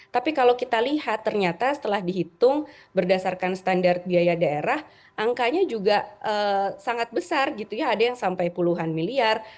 tapi kalau kita lihat ternyata setelah dihitung berdasarkan standar biaya daerah angkanya juga sangat besar gitu ya ada yang sampai puluhan miliar